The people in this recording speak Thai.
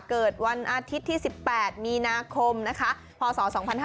เกิดวันอาทิตย์ที่๑๘มีนาคมนะคะพศ๒๕๕๙